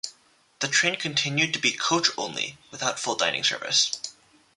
The train continued to be coach-only, without full dining service.